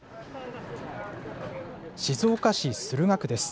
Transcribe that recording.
静岡市駿河区です。